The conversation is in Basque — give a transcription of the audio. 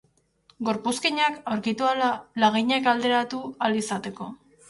Gorpuzkinak aurkitu ahala, laginak alderatu ahal izateko.